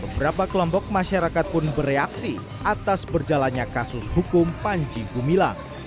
beberapa kelompok masyarakat pun bereaksi atas berjalannya kasus hukum panji gumilang